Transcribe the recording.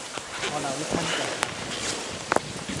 我扭親腳行唔到